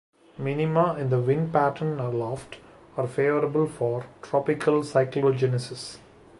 Minima in the wind pattern aloft are favorable for tropical cyclogenesis.